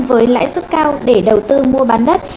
với lãi suất cao để đầu tư mua bán đất